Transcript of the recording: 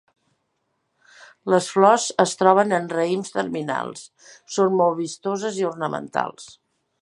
Les flors es troben en raïms terminals, són molt vistoses i ornamentals.